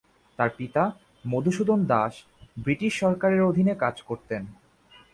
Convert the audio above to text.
তার পিতা মধুসূদন দাস ব্রিটিশ সরকারের অধীনে কাজ করতেন।